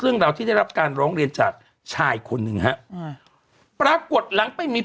เรื่องราวที่ได้รับการร้องเรียนจากชายคนหนึ่งฮะอ่าปรากฏหลังไปมี